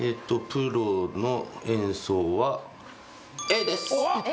プロの演奏はＡです